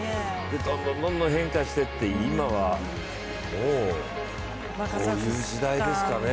どんどん変化していって今はもうこういう時代ですかね。